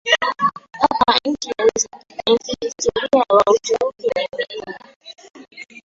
hapa Nchi ya kihistoria ya Waturuki ni Milima